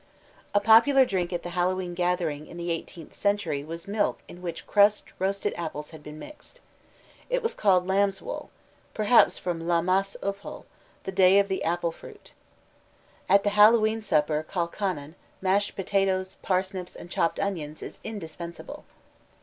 A popular drink at the Hallowe'en gathering in the eighteenth century was milk in which crushed roasted apples had been mixed. It was called lambs' wool (perhaps from "La Mas Ubhal," "the day of the apple fruit"). At the Hallowe'en supper "callcannon," mashed potatoes, parsnips, and chopped onions, is indispensable.